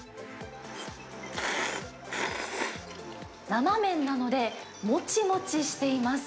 生麺なので、もちもちしています。